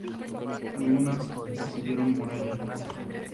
Algunas poseyeron muralla y foso.